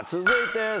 続いて。